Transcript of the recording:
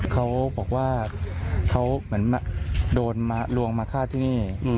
เขาแบบว่าเขาเหมือนมั้ยร่วงมาคาดที่นี่